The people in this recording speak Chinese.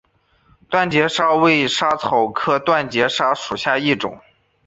断节莎为莎草科断节莎属下的一个种。